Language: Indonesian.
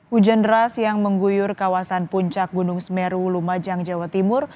hujan deras yang mengguyur kawasan puncak gunung semeru lumajang jawa timur